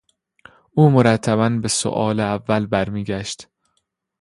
او مرتبا به سئوال اول برمیگشت.